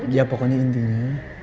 ya pokoknya intinya